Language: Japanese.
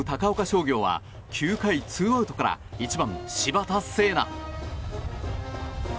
商業は９回ツーアウトから１番、柴田。